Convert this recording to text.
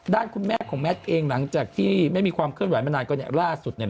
ด้านคุณแม่ของแมทเองหลังจากที่ไม่มีความเคลื่อนไหวมานานก็ล่าสุด